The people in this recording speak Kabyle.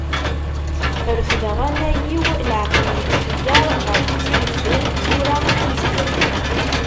Refdeɣ anay-iw, leɛqel yettḥeyyeṛ, ɣer Tizi Wezzu, tura ad nezger.